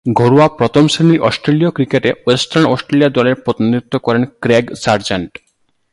ঘরোয়া প্রথম-শ্রেণীর অস্ট্রেলীয় ক্রিকেটে ওয়েস্টার্ন অস্ট্রেলিয়া দলের প্রতিনিধিত্ব করেন ক্রেগ সার্জেন্ট।